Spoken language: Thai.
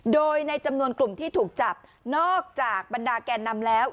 โดยในจำนวนกลุ่มที่ถูกจับนอกจากบรรดาแกนนำแล้ว